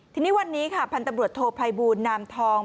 ทีนี้วันนี้ค่ะพันธุ์ตำรวจโทษภัยบูรณ์นามทอง